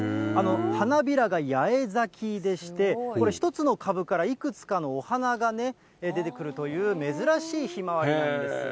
花びらが八重咲きでして、これ、１つの株からいくつかのお花がね、出てくるという珍しいひまわりなんです。